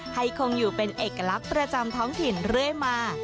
คงอยู่เป็นเอกลักษณ์ประจำท้องถิ่นเรื่อยมา